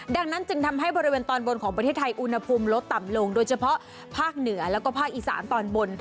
ดังนั้นจึงทำให้บริเวณตอนบนของประเทศไทยอุณหภูมิลดต่ำลงโดยเฉพาะภาคเหนือแล้วก็ภาคอีสานตอนบน